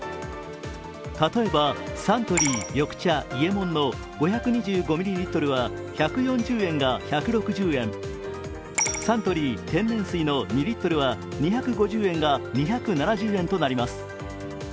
例えば、サントリー緑茶伊右衛門の５２５ミリリットルは１４０円が１６０円、サントリー天然水の２リットルは２５０円が２７０円となります。